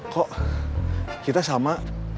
kok kita sama